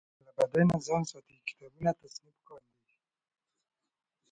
له بدۍ نه ځان ساتي کتابونه تصنیف کاندي.